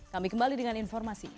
kami kembali dengan informasinya